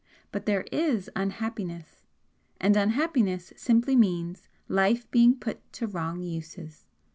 But there IS unhappiness, and unhappiness simply means life being put to wrong uses.